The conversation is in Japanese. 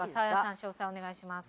詳細お願いします。